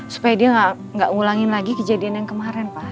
supaya dia nggak ngulangin lagi kejadian yang kemarin pak